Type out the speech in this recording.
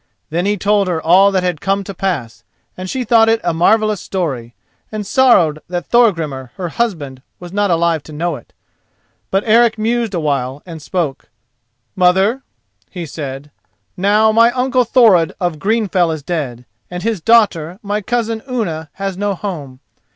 Then he told her all that had come to pass, and she thought it a marvellous story, and sorrowed that Thorgrimur, her husband, was not alive to know it. But Eric mused a while, and spoke. "Mother," he said, "now my uncle Thorod of Greenfell is dead, and his daughter, my cousin Unna, has no home.